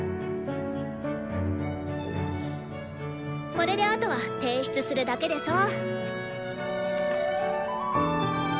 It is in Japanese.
これであとは提出するだけでしょ？